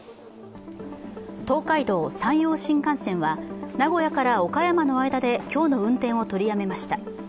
東海道・山陽新幹線は名古屋から岡山の間で今日の運転を取りやめました。